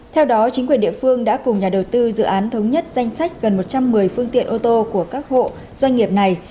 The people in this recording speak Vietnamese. theo đó chính quyền địa phương đã cùng nhà đầu tư dự án thống nhất danh sách gần một trăm một mươi phương tiện ô tô của các hộ doanh nghiệp này